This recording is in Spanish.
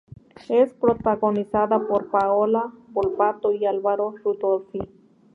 Es protagonizada por Paola Volpato y Álvaro Rudolphy.